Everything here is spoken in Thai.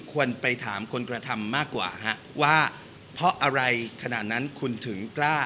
ควรไปถามคนกระทำมากกว่าฮะว่าเพราะอะไรขณะนั้นคุณถึงกล้า